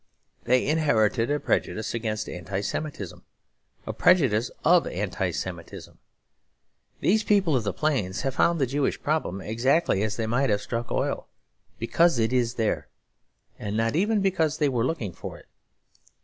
They inherited a prejudice against Anti Semitism; a prejudice of Anti Anti Semitism. These people of the plains have found the Jewish problem exactly as they might have struck oil; because it is there, and not even because they were looking for it.